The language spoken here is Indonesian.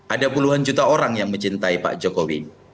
ada puluhan juta orang yang mencintai pak jokowi